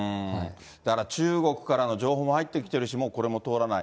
だから中国からの情報も入ってきてるし、もうこれも通らない。